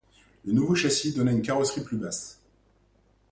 Le nouveau châssis donnait une carrosserie plus basse.